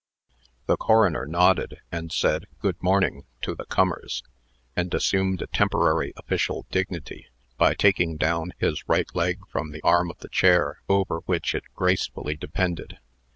The coroner nodded, and said "good morning" to the comers, and assumed a temporary official dignity, by taking down his right leg from the arm of the chair over which it gracefully depended.